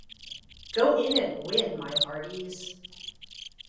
Go in and win, my hearties!